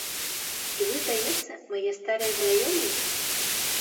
І вы, здаецца, мае старыя знаёмыя?